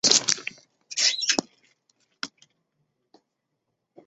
拿起一些旧衣开始缝补